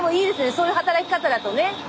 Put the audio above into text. そういう働き方だとね